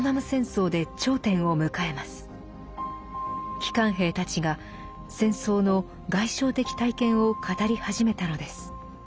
帰還兵たちが戦争の外傷的体験を語り始めたのです。